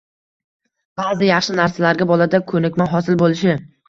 – ba’zi yaxshi narsalarga bolada ko‘nikma hosil bo‘lishi